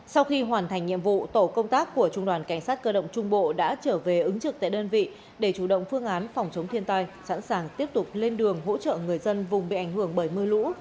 sau khi hoàn thành nhiệm vụ tổ công tác của trung đoàn cảnh sát cơ động trung bộ đã trở về ứng trực tại đơn vị để chủ động phương án phòng chống thiên tai sẵn sàng tiếp tục lên đường hỗ trợ người dân vùng bị ảnh hưởng bởi mưa lũ